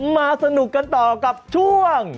มาสนุกกันต่อกับช่วง